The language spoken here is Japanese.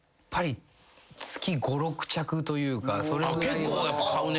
結構やっぱ買うね。